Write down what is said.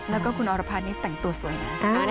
แล้วก็คุณอรพันธ์นี่แต่งตัวสวยนะ